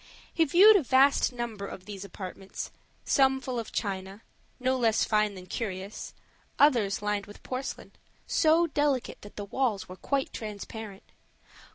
He viewed a vast number of these apartments, some full of china, no less fine than curious; others lined with porcelain, so delicate that the walls were quite transparent.